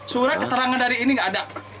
surat keterangan dari ini nggak ada